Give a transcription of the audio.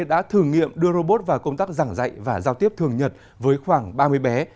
đã thử nghiệm đưa robot vào công tác giảng dạy và giao tiếp thường nhật với khoảng ba mươi bé